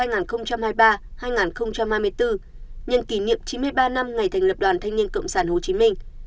nhân kỷ niệm chín mươi ba năm ngày thành lập đoàn thanh niên cộng sản hồ chí minh